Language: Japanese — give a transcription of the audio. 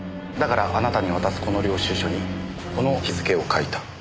だからあなたに渡すこの領収書にこの日付を書いた。